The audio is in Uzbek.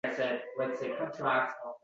Shuni aytdi.